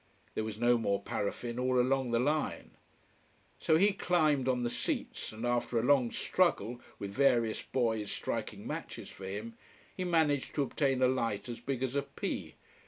There was no more paraffin all along the line. So he climbed on the seats, and after a long struggle, with various boys striking matches for him, he managed to obtain a light as big as a pea.